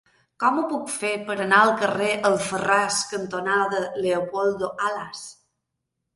Com ho puc fer per anar al carrer Alfarràs cantonada Leopoldo Alas?